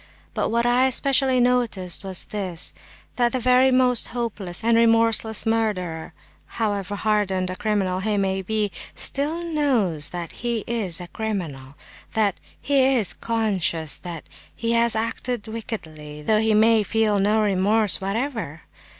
But what I especially noticed was this, that the very most hopeless and remorseless murderer—however hardened a criminal he may be—still knows that he is a criminal; that is, he is conscious that he has acted wickedly, though he may feel no remorse whatever.